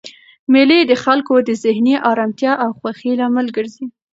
مېلې د خلکو د ذهني ارامتیا او خوښۍ لامل ګرځي.